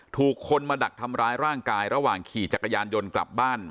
ถูกคนมาดักทำร้ายร่างกายระหว่างขี่จักรยานยนต์กลับบ้าน